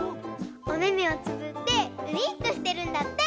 おめめをつぶってウインクしてるんだって。